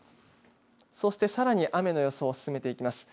そして、さらに雨の予想を進めていきます。